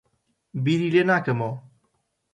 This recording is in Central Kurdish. بیری لێ ناکەمەوە.